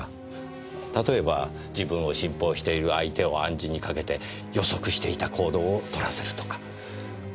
例えば自分を信奉している相手を暗示にかけて予測していた行動をとらせるとか。